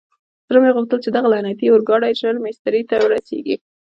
زړه مې غوښتل چې دغه لعنتي اورګاډی ژر مېسترې ته ورسېږي.